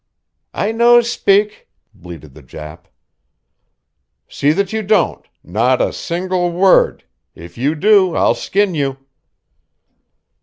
"I no spick," bleated the Jap. "See that you don't not a single word if you do I'll skin you!"